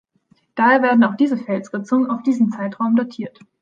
Daher werden auch diese Felsritzungen auf diesen Zeitraum datiert.